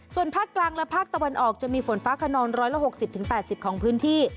ส่วนภาคกลางและภาคตะวันออกจะมีฝนฟ้าขนอง๑๖๐๘๐ของพื้นที่